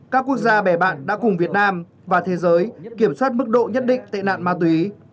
các quốc gia bè bạn đã cùng việt nam và thế giới kiểm soát mức độ nhất định tệ nạn ma túy